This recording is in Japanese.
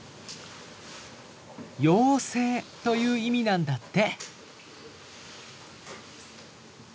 妖精という意味なんだって。